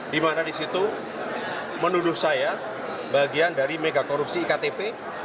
di mana di situ menuduh saya bagian dari mega korupsi iktp